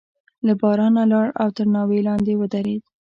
له بارانه لاړ او تر ناوې لاندې ودرېد.